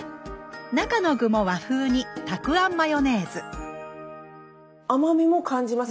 中の具も和風にたくあんマヨネーズ甘みも感じます。